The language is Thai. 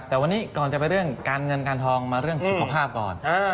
แต่วันนี้ก่อนจะไปเรื่องการเงินการทองมาเรื่องสุขภาพก่อน